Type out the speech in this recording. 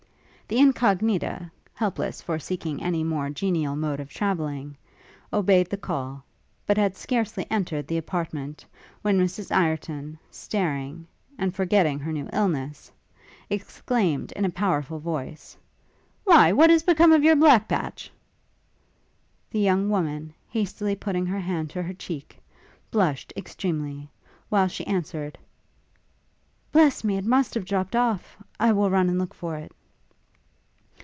The Incognita, helpless for seeking any more genial mode of travelling, obeyed the call, but had scarcely entered the apartment, when Mrs Ireton, starting, and forgetting her new illness, exclaimed, in a powerful voice, 'Why, what is become of your black patch?' The young woman, hastily putting her hand to her cheek, blushed extremely, while she answered, 'Bless me, it must have dropt off! I will run and look for it.'